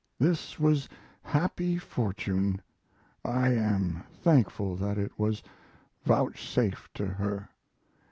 This was happy fortune I am thankful that it was vouchsafed to her.